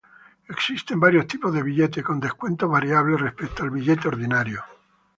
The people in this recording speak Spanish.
Existen varios tipos de billete, con descuentos variables respecto al billete ordinario.